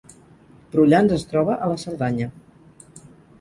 Prullans es troba a la Cerdanya